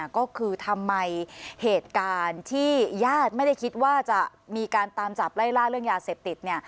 ก็คือทำไมเหตุการณ์ที่ญาติไม่ได้คิดว่าจะมีการตามจับไล่ล่าเรื่องยาเสพติด